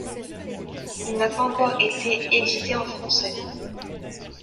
Il n'a pas encore été édité en français.